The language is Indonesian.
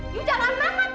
kamu jangan menganggap kamu